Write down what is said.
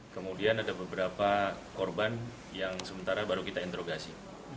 kemudian ada beberapa korban yang sementara baru kita interogasi